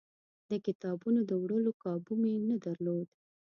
د کتابونو د وړلو کابو مې نه درلود.